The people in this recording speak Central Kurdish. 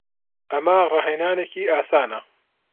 ئەمە ڕاهێنانێکی ئاسانە.